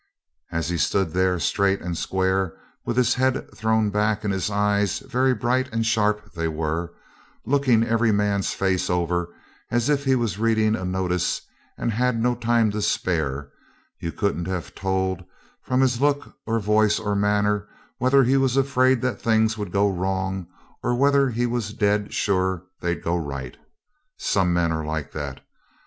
As he stood there straight and square with his head thrown back, and his eyes very bright and sharp they were looking every man's face over as if he was reading a notice and had no time to spare, you couldn't have told, from his look, or voice, or manner, whether he was afraid that things would go wrong, or whether he was dead sure they'd go right. Some men are like that.